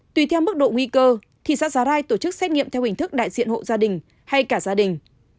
tùy theo mức độ nguy cơ thị xã giá rai tổ chức xét nghiệm theo hình thức đại diện hộ gia đình hay cả gia đình